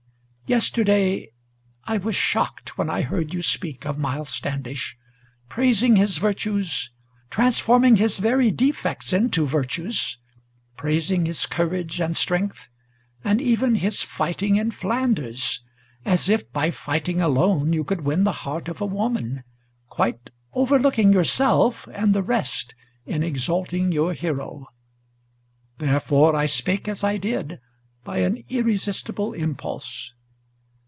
Yesterday I was shocked, when I heard you speak of Miles Standish, Praising his virtues, transforming his very defects into virtues, Praising his courage and strength, and even his fighting in Flanders, As if by fighting alone you could win the heart of a woman, Quite overlooking yourself and the rest, in exalting your hero. Therefore I spake as I did, by an irresistible impulse.